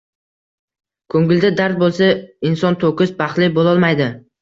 Ko‘ngilda dard bo‘lsa, inson to‘kis baxtli bo‘lolmaydi.